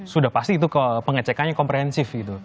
sudah pasti itu pengecekannya komprehensif gitu